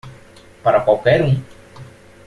Para qualquer um